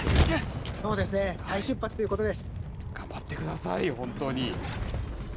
そうですね、再出発ということです。